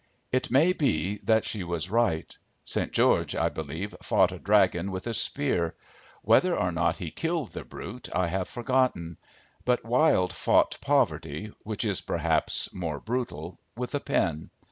It may be that she was right. St. George, I believe, fought a dragon with a spear. Whether or not he killed the brute I have forgotten. But Wilde fought poverty, which is perhaps more brutal, with a pen.